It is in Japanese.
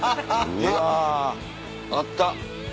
うわ。あった。